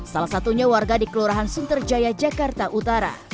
salah satunya warga di kelurahan sunterjaya jakarta utara